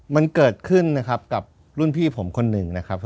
มันเกิดขึ้นนะครับกับรุ่นพี่ผมคนหนึ่งนะครับ